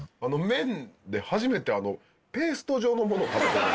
麺で初めてペースト状のものを食べてる。